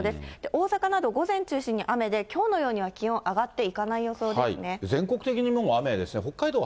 大阪など、午前を中心に雨で、きょうのようには気温上がっていかない予想で全国的にも雨ですね、北海道